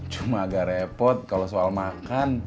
cuma agak repot kalau soal makan